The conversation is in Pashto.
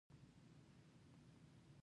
دا سمندر تیل او ګاز لري.